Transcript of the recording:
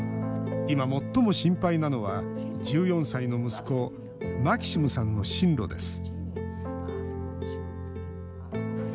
今、最も心配なのは１４歳の息子マキシムさんの進路です